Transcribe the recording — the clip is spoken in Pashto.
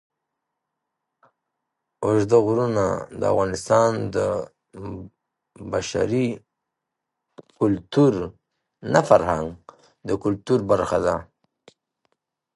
اوږده غرونه د افغانستان د بشري فرهنګ برخه ده.